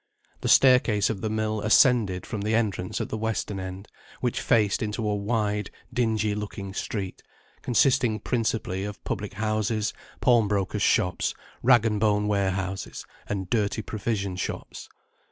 The staircase of the mill ascended from the entrance at the western end, which faced into a wide dingy looking street, consisting principally of public houses, pawn brokers' shops, rag and bone warehouses, and dirty provision shops.